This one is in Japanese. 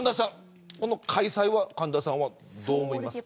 この開催は神田さんはどう思いますか。